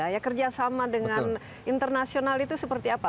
ya kerjasama dengan internasional itu seperti apa